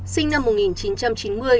sinh năm một nghìn chín trăm chín mươi